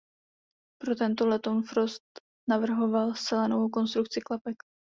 Pro tento letoun Frost navrhoval zcela novou konstrukci klapek.